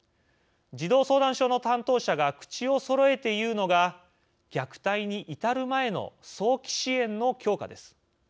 児童相談所の担当者が口をそろえて言うのが虐待に至る前の早期支援の強化です。